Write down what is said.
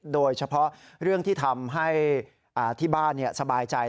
โดยเฉพาะเรื่องที่ทำให้ที่บ้านสบายใจ